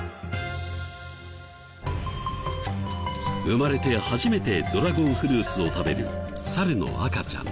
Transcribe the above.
生まれて初めてドラゴンフルーツを食べる猿の赤ちゃん。